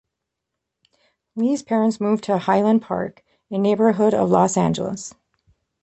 Lee's parents moved to Highland Park, a neighborhood of Los Angeles.